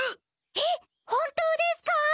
えっ本当ですか！？